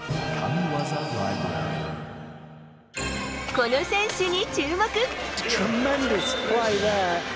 この選手に注目。